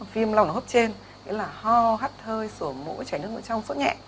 phim lau nó hấp trên nghĩa là ho hắt hơi sủa mũi chảy nước mũi trong sốt nhẹ